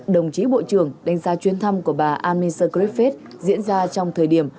đồng chí bộ trưởng đánh giá chuyến thăm của bà anne mise griffith diễn ra trong thời điểm